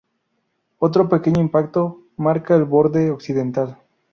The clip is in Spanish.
Otro pequeño impacto marca el borde occidental.